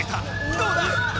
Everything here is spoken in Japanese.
どうだ？